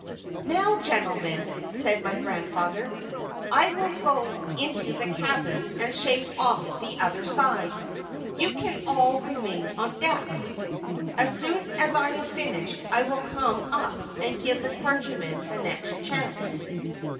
"Now, gentlemen," said my grandfather, "I will go into the cabin and shave off the other side. You can all remain on deck. As soon as I have finished, I will come up and give the clergyman the next chance."